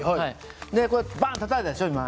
こうバンとたたいたでしょう今。